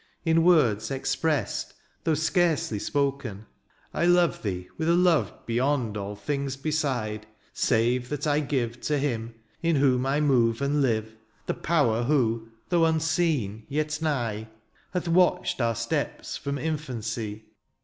In words expressed, though scarcely spoken, " I love thee, with a love beyond " All things beside, save that I give " To him, in whom I move and live, " The power who, though unseen, yet nigh. THE AREOPAGITE. 49 " Hath watched our steps from infancy.